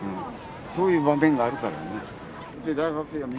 そういう場面があるからね。